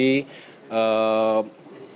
berprinsip yang itu